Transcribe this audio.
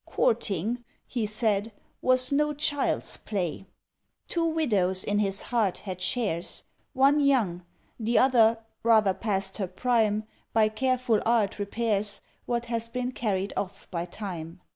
"Courting," he said, "was no child's play." Two widows in his heart had shares One young; the other, rather past her prime, By careful art repairs What has been carried off by Time.